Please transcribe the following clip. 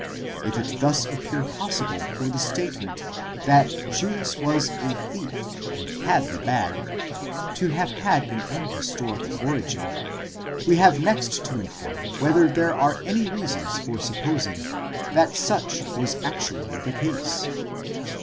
If it thus appear possible for the statement that Judas was a thief and had the bag, to have had an unhistorical origin: we have next to inquire whether there are any reasons for supposing that such was actually the case.